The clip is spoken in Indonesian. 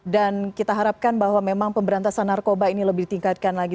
dan kita harapkan bahwa memang pemberantasan narkoba ini lebih ditingkatkan lagi